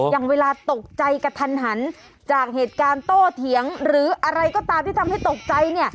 อย่างเวลาตกใจกระทันหันจากเหตุการณ์โตเถียงหรืออะไรก็ตามที่ทำให้ตกใจ